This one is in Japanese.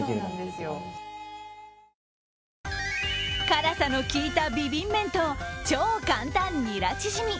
辛さの効いたビビン麺と超簡単ニラチヂミ。